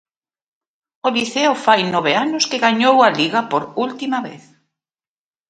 O Liceo fai nove anos que gañou a Liga por última vez.